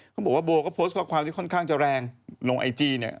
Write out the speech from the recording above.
เขาบอกว่าโบก็โพสต์ข้อความที่ค่อนข้างจะแรงลงไอจีเนี่ย